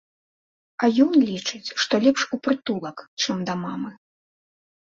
А ён лічыць, што лепш у прытулак, чым да мамы.